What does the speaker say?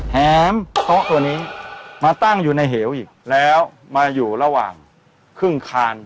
แม้โต๊ะตัวนี้มาตั้งอยู่ในเหวอีกแล้วมาอยู่ระหว่างครึ่งคาน